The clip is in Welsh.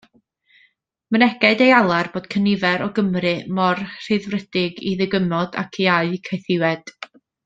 Myneged ei alar bod cynifer o Gymry mor rhyddfrydig i ddygymod ag iau caethiwed.